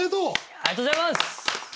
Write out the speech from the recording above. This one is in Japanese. ありがとうございます！